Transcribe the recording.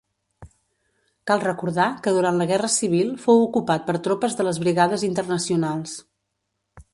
Cal recordar que durant la Guerra Civil fou ocupat per tropes de les Brigades Internacionals.